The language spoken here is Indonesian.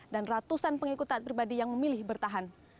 ratusan pengikut taat pribadi yang memilih bertahan